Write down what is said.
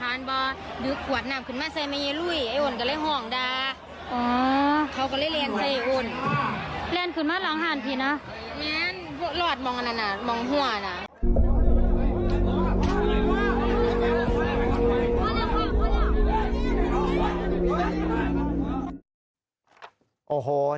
หลังหากของเจ้าชิน้ำของชิงต่างเป็นที่ด้วย